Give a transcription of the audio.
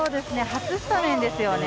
初スタメンですよね。